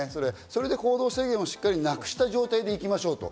それで行動制限をしっかりなくした状態で行きましょうと。